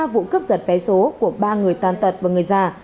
ba vụ cướp giật vé số của ba người tàn tật và người già